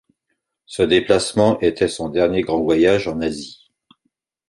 Ce déplacement était son dernier grand voyage en Asie.